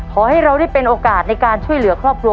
ขอให้เราได้เป็นโอกาสในการช่วยเหลือครอบครัว